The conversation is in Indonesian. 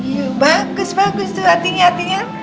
iya bagus bagus tuh artinya artinya